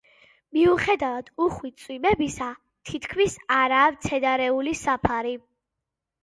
მიუხედავად უხვი წვიმებისა, თითქმის არაა მცენარეული საფარი.